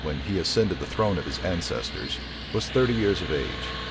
when he ascended the throne of his ancestors, was thirty years of age.